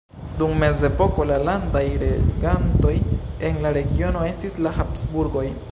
Dum mezepoko la landaj regantoj en la regiono estis la Habsburgoj.